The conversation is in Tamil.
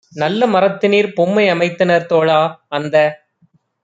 நல்ல மரத்தினிற் பொம்மை அமைத்தனர் தோழா - அந்த